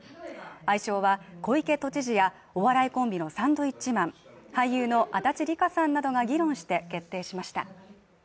愛称は、小池都知事やお笑いコンビのサンドウィッチマン、俳優の足立梨花さんなどが議論して決定しました。